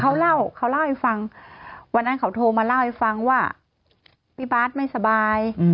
เขาเล่าเขาเล่าให้ฟังวันนั้นเขาโทรมาเล่าให้ฟังว่าพี่บาทไม่สบาย